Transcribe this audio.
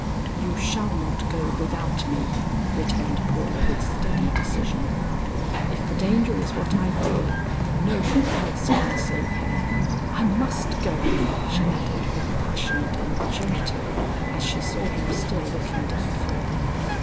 "You shall not go without me," returned Paula with steady decision. "If the danger is what I fear, no one else can save him. I must go," she added, with passionate importunity as she saw him still looking doubtful.